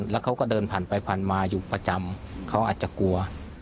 แล้วเขาก็เดินผ่านไปผ่านมาอยู่ประจำเขาอาจจะกลัว